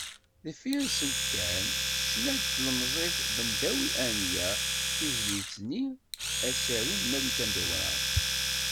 Deffir-sent kan tecna-d tlemẓit Bundawi Anya, tizlit-nni “Asaru” n Malika Dumran.